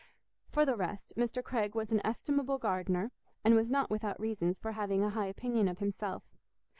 For the rest, Mr. Craig was an estimable gardener, and was not without reasons for having a high opinion of himself.